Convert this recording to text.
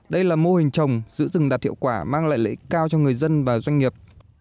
đây là mô hình trồng giữ rừng đạt hiệu quả mang lại lợi cao cho người dân và doanh nghiệp